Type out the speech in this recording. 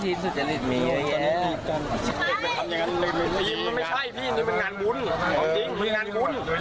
เสียดายมาไม่ทันมากินดี